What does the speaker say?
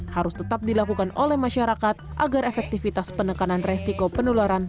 harus tetap dilakukan oleh masyarakat agar efektivitas penekanan resiko penularan